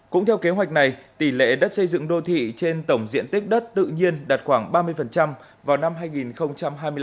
cũng theo kế hoạch này tỷ lệ đất xây dựng đô thị trên tổng diện tích đất tự nhiên đạt khoảng ba mươi vào năm hai nghìn hai mươi năm